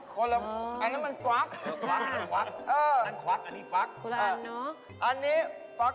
อเจมส์วันนี้มันฟัก